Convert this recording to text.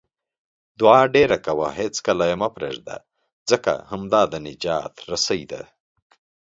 دعاء ډېره کوه، هیڅکله یې مه پرېږده، ځکه همدا د نجات رسۍ ده